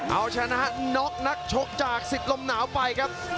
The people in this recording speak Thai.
เอาชนะน็อกนักชกจากสิทธิ์ลมหนาวไปครับ